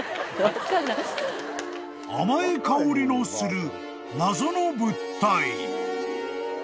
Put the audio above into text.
［甘い香りのする謎の物体］